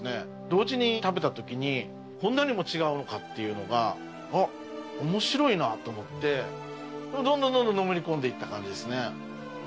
同時に食べた時にこんなにも違うのかっていうのがあっ面白いなと思ってどんどんどんどんのめり込んでいった感じですね。